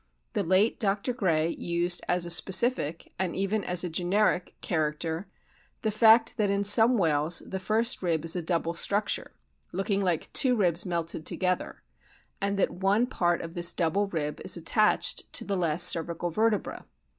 The late Dr. Gray used as a specific, and even as a generic, character the fact that in some whales the first rib is a double structure, 40 A BOOK OF WHALES looking like two ribs melted together, and that one part of this double rib is attached to the last cervical vertebra.